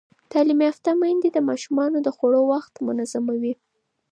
تعلیم یافته میندې د ماشومانو د خوړو وخت منظموي.